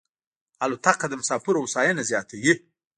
الوتکه د مسافرو هوساینه زیاتوي.